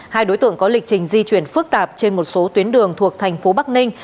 hai đối tượng có lịch trình di chuyển phức tạp trên một số tuyến đường thuộc tp bắc ninh